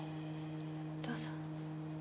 どうぞ。